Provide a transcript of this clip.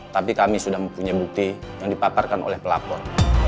tapi kami sudah mempunyai bukti yang dipaparkan oleh pelapor